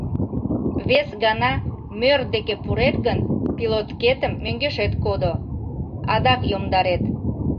— Вес гана мӧр деке пурет гын — пилоткетым мӧҥгешет кодо... адак йомдарет.